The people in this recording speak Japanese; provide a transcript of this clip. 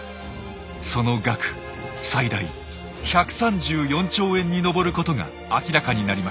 その額最大１３４兆円に上ることが明らかになりました。